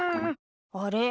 あれ？